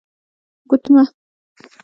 💍 ګوتمه